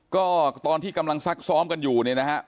ก็ตอนที่กำลังซักซ้อมกันอยู่เนี่ยนะฮะ